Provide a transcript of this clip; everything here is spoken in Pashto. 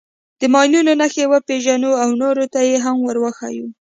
د ماینونو نښې وپېژنو او نورو ته یې هم ور وښیو.